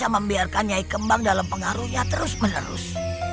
membiarkan nyai kembang dalam pengaruhnya terus menerus